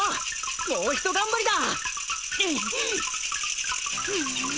もうひと頑張りだ！